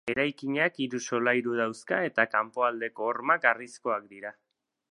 Eraikinak hiru solairu dauzka, eta kanpoaldeko hormak harrizkoak dira.